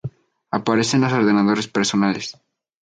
Aparecen los ordenadores personales.